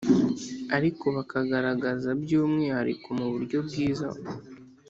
ariko bakagaragaza by umwihariko mu buryo bwiza